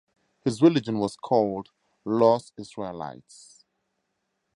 His religion was called Lost Israelites.